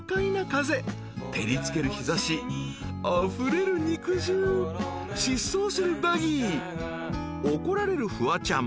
照り付ける日差しあふれる肉汁疾走するバギー怒られるフワちゃん］